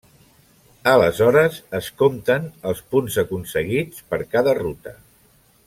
Aleshores es compten els punts aconseguits per cada ruta.